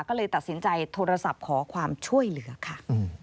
ก็เลยตัดสินใจโทรศัพท์ขอความช่วยเหลือค่ะ